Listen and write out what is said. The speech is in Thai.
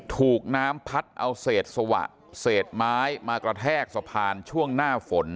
ถูกน้ำพัดเอาเศษสวะเศษไม้มากระแทกสะพานช่วงหน้าฝน